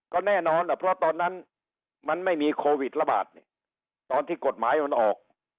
ก็แน่นอนเพราะตอนนั้นมันไม่มีโควิดระบาดตอนที่กฎหมายมันออก